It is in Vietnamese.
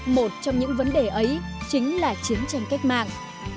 một trong những vấn đề ấy chính là chiến tranh cách mạng